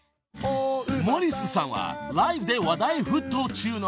［モリスさんはライブで話題沸騰中の］